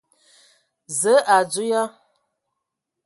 Zǝə, o adzo ya ?